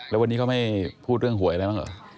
แล้ววันนี้เขาไม่พูดเรื่องหวยอะไรบ้างเหรอ